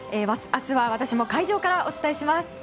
明日は私も会場からお伝えします。